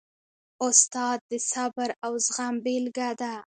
استاد د صبر او زغم بېلګه ده.